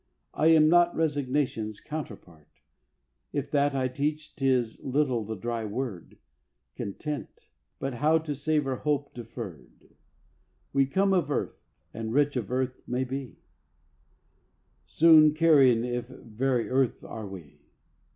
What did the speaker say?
I am not Resignation's counterpart. If that I teach, 'tis little the dry word, Content, but how to savour hope deferred. We come of earth, and rich of earth may be; Soon carrion if very earth are we!